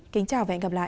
kính chào và hẹn gặp lại